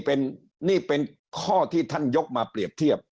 นี่เป็นข้อที่ท่านยกมาเปรียบเทียบ